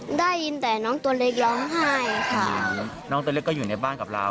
ได้ยินแต่น้องตัวเล็กร้องไห้ค่ะน้องตัวเล็กก็อยู่ในบ้านกับเรา